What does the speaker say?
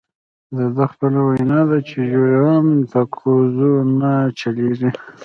دده خپله وینا ده چې ژرنده په کوزو نه چلیږي.